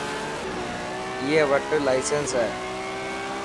ائي وٽ لاسينس هي.